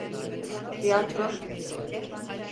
Tiyatro.